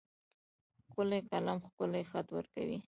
ښکلی قلم ښکلی خط ورکوي.